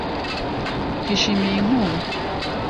Twishimiye inkunga .